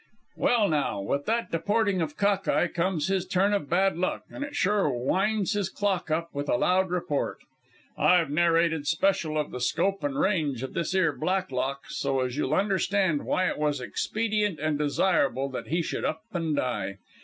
"Well, now, with that deporting of Cock eye comes his turn of bad luck, and it sure winds his clock up with a loud report. I've narrated special of the scope and range of this 'ere Blacklock, so as you'll understand why it was expedient and desirable that he should up an' die.